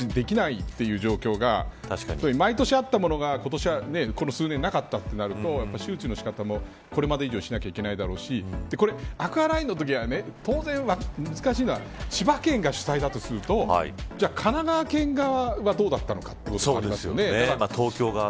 あまり周知できないという状況が毎年あったものがこの数年なかったとなると周知の仕方もこれまで以上にしなきゃいけないだろうしこれ、アクアラインのときは難しいのは千葉県が主催だとするとじゃあ、神奈川県側はどうだったのかとなりますよね。